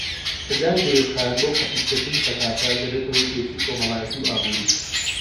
کرداری درێژخایەن بۆ قەتیسکردنی پەتاکە دەبێتە هۆی تێچووی کۆمەڵایەتی و ئابووری.